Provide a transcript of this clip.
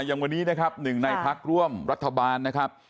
อย่างวันนี้นะครับหนึ่งในพักร่วมรัฐบาลนะครับ